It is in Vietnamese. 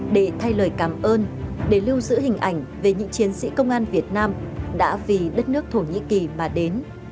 để thay lời cảm ơn để lưu giữ hình ảnh về những chiến sĩ công an việt nam đã vì đất nước thổ nhĩ kỳ mà đến